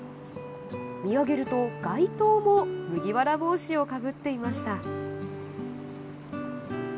見上げると街灯も麦わら帽子をかぶっていました。